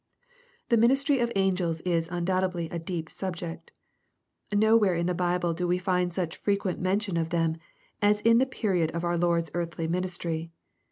'' The ministry of angels is undoubtedly a deep subject. Nowhere in the JBible do we find such frequent mention of them, as in the period of our Lord's earthly ministry.